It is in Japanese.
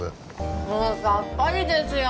もうさっぱりですよ